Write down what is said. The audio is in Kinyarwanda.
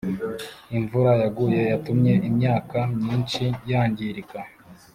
Imvura yaguye yatumye imyaka myinshi yangirika